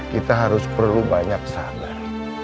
kita harus perlu banyak sadar